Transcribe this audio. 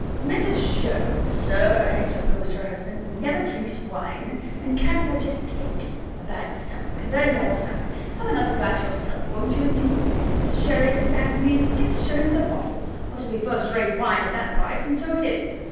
"Mrs. Sherwin, Sir," interposed her husband, "never drinks wine, and can't digest cake. A bad stomach a very bad stomach. Have another glass yourself. Won't you, indeed? This sherry stands me in six shillings a bottle ought to be first rate wine at that price: and so it is.